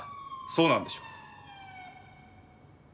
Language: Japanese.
そうなんでしょ？